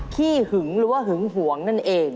ขี้หึงหรือว่าหึงหวงนั่นเอง